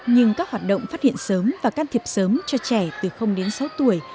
nhưng các hoạt động phát hiện sớm và can thiệp sớm cho trẻ từ đến sáu tuổi